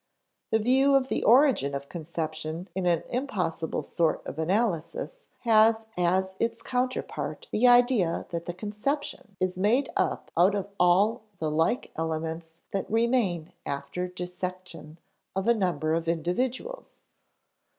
The view of the origin of conception in an impossible sort of analysis has as its counterpart the idea that the conception is made up out of all the like elements that remain after dissection of a number of individuals.